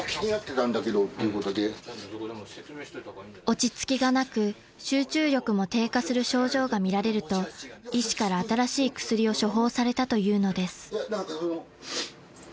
［落ち着きがなく集中力も低下する症状が見られると医師から新しい薬を処方されたというのです］